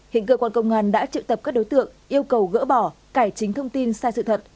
hiện cơ quan công an đã triệu tập các đối tượng yêu cầu gỡ bỏ cải chính thông tin sai sự thật